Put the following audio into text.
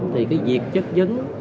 thì cái việc chất dấn